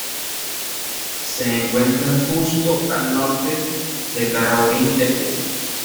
Se encuentran justo al norte de Karaurín-tepui.